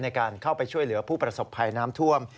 ในการเข้าไปช่วยเหลือผู้ประสบภัยน้ำท่วม